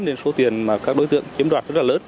nên số tiền mà các đối tượng chiếm đoạt rất là lớn